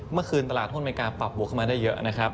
เมื่อคืนตลาดหุ้นอเมริกาปรับบวกเข้ามาได้เยอะนะครับ